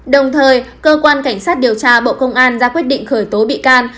đồng thời cơ quan cảnh sát điều tra bộ công an ra quyết định khởi tố bị can